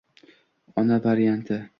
“Ona” varianti